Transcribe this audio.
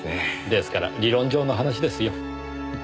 ですから理論上の話ですよ。